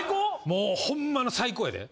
もうほんまの最高やで。